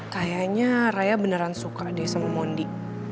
kayaknya raya beneran suka deh sama mondi